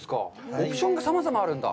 オプションがさまざまあるんだ。